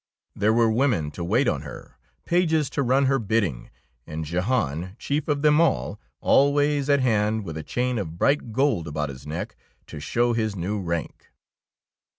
There were women to wait on her, pages to run her bidding, and 30 THE ROBE OF THE DUCHESS Jehan, chief of them all, always at hand, with a chain of bright gold about his neck, to show his new rank.